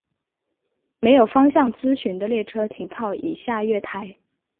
没有方向资讯的列车停靠以下月台。